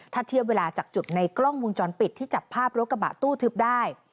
ถ้าเทียบเวลาจากจุดในกล้องวงจรปิดที่จับภาพรถกระบะตู้ทึบได้